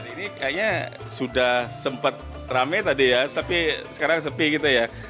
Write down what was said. ini kayaknya sudah sempat rame tadi ya tapi sekarang sepi gitu ya